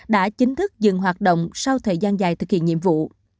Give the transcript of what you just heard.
đã chính thức dừng hoạt động sau thời gian dài thực hiện nhiệm vụ